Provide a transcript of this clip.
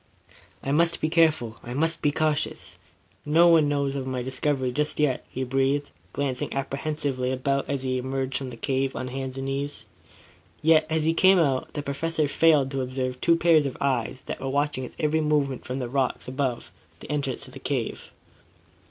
"I must be careful. I must be cautious. No one must know of my discovery just yet," he breathed, glancing apprehensively about, as he emerged from the cave on hands and knees. Yet, as he came out, the Professor failed to observe two pairs of eyes that were watching his every movement from the rocks above the entrance to the cave.